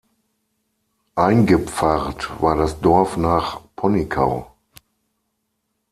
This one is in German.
Eingepfarrt war das Dorf nach Ponickau.